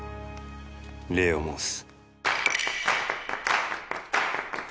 礼を申す。